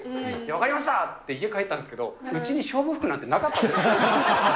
分かりましたって家帰ったんですけど、うちに勝負服なんてなかったです。